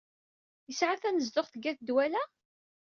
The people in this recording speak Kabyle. Yesɛa tanezduɣt deg at Dwala?